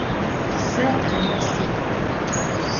Se 'ane si'.